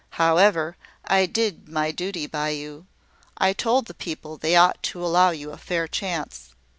However, I did my duty by you. I told the people they ought to allow you a fair chance."